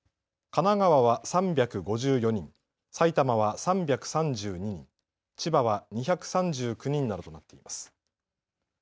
神奈川は３５４人、埼玉は３３２人、千葉は２３９人などとなっています。